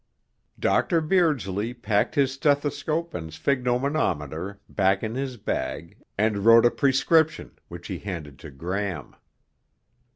Dr. Beardsley packed his stethoscope and sphygmomanometer back in his bag and wrote a prescription, which he handed to Gram.